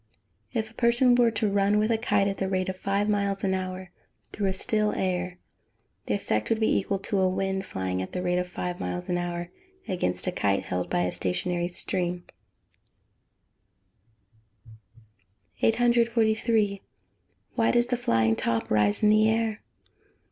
If a person were to run with a kite at the rate of five miles an hour, through a still air, the effect would be equal to a wind flying at the rate of five miles an hour against a kite held by a stationary string. 843. _Why does the flying top rise in the air?